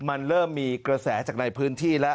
มันเริ่มมีกระแสจากในพื้นที่แล้ว